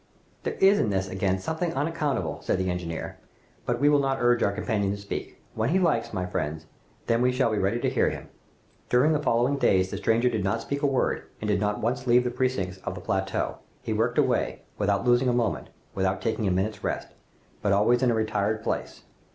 "There is in this, again, something unaccountable," said the engineer, "but we will not urge our companion to speak. When he likes, my friends, then we shall be ready to hear him!" During the following days the stranger did not speak a word, and did not once leave the precincts of the plateau. He worked away, without losing a moment, without taking a minute's rest, but always in a retired place.